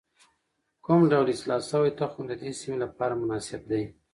کوم ډول اصلاح شوی تخم د دې سیمې لپاره مناسب دی؟